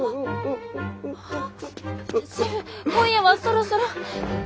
シェフ今夜はそろそろ。